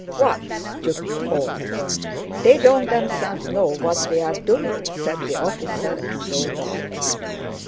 "What stupid orders! They don't themselves know what they are doing!" said the officer and rode off.